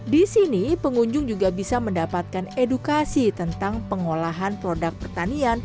di sini pengunjung juga bisa mendapatkan edukasi tentang pengolahan produk pertanian